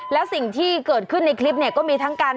แล้วสิ่งที่เกิดขึ้นในคลิปเนี่ยก็มีทั้งการ